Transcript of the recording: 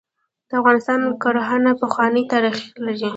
د افغانستان کرهڼه پخوانی تاریخ لري .